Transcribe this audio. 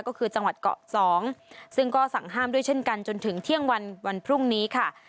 ก็คือจังหวัดเกาะ๒ซึ่งก็สั่งห้ามด้วยเช่นกันจนถึงเที่ยงวันพรุ่งนี้ค่ะ